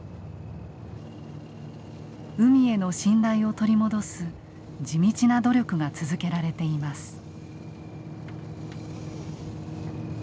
海への信頼を取り戻す地道な努力が続けられています。